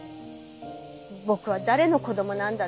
僕は誰の子供なんだって。